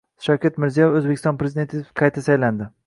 Shavkat Mirziyoyev O‘zbekiston Prezidenti etib qayta saylandi